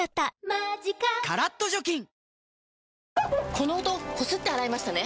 この音こすって洗いましたね？